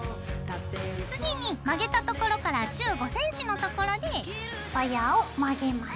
次に曲げたところから１５センチのところでワイヤーを曲げます。